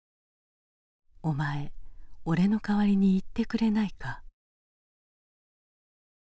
「お前俺の代わりに行ってくれないか？」。